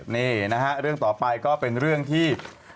นี่นะฮะเรื่องต่อไปก็เป็นเรื่องที่